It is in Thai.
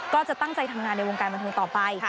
ก็จะตั้งใจทำงานในวงการบันเทิงต่อไป